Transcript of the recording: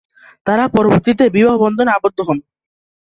তারা পরবর্তীতে বিবাহ বন্ধনে আবদ্ধ হন।